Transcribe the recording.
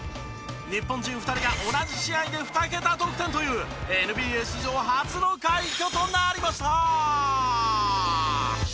日本人２人が同じ試合で２桁得点というＮＢＡ史上初の快挙となりました！